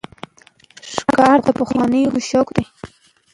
ښکار د پخوانیو خلکو شوق و.